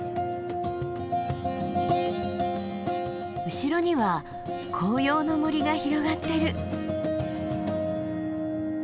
後ろには紅葉の森が広がってる。